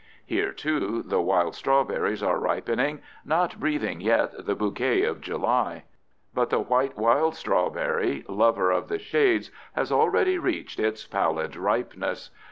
Here, too, the wild strawberries are ripening, not breathing yet the bouquet of July; but the white wild strawberry, lover of the shades, has already reached its pallid ripeness.